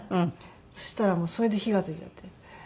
そしたらもうそれで火がついちゃって。